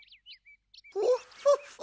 フォッフォッフォッフォッ。